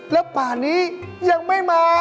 แล้วประณียังไม่มา